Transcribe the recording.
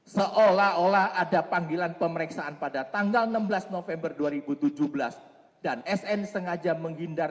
seolah olah ada panggilan pemeriksaan pada tanggal enam belas november dua ribu tujuh belas dan sn sengaja menghindar